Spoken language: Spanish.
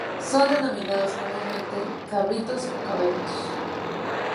Son denominados comúnmente cabritos o caballitos.